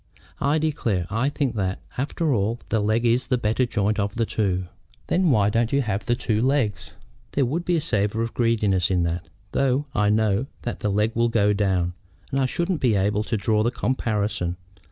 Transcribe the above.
"I declare I think that, after all, the leg is the better joint of the two." "Then why don't you have the two legs?" "There would be a savor of greediness in that, though I know that the leg will go down, and I shouldn't then be able to draw the comparison.